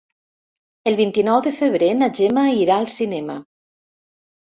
El vint-i-nou de febrer na Gemma irà al cinema.